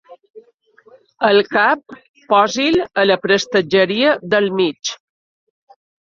El cap, posi'l a la prestatgeria del mig.